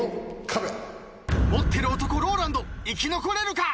持ってる男ＲＯＬＡＮＤ生き残れるか？